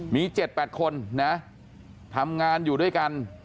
มี๗๘คนนะทำงานอยู่ด้วยกัน